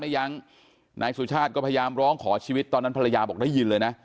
ยั้งนายสุชาติก็พยายามร้องขอชีวิตตอนนั้นภรรยาบอกได้ยินเลยนะ